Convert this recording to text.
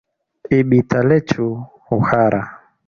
Ibita lechu huhara.